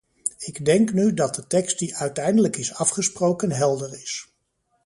Ik denk nu dat de tekst die uiteindelijk is afgesproken helder is.